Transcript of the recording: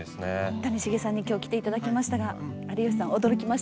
谷繁さんに今日来ていただきましたが有吉さん驚きましたか？